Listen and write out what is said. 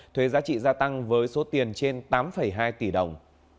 thuế giá trị gia tăng với số tiền trên tám hai tỷ đồng